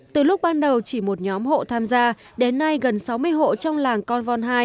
từ lúc ban đầu chỉ một nhóm hộ tham gia đến nay gần sáu mươi hộ trong làng con vòn hai